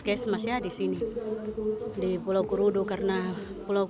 jadi kita harus beri kesempatan ke tempat yang baik untuk kita berbentuk